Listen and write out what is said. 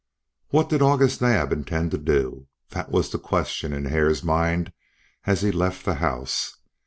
What did August Naab intend to do? That was the question in Hare's mind as he left the house.